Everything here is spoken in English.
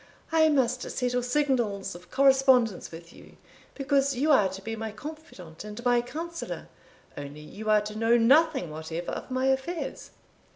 I must settle signals of correspondence with you, because you are to be my confidant and my counsellor, only you are to know nothing whatever of my affairs."